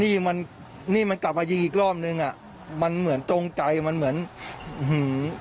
นี่มันนี่มันกลับมายิงอีกรอบนึงอ่ะมันเหมือนตรงใจมันเหมือนอื้อหือ